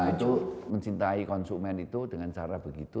itu mencintai konsumen itu dengan cara begitu